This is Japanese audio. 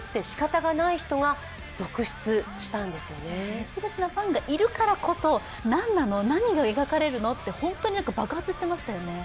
熱烈なファンがいるからこそ、何なの、何が描かれるのって本当に爆発してましたよね。